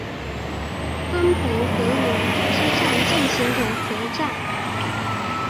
分倍河原之战进行的合战。